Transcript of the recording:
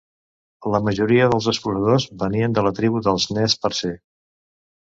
La majoria dels exploradors venien de la tribu dels Nez Percé.